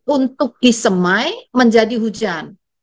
untuk disemai menjadi hujan